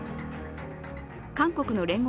韓国の聯合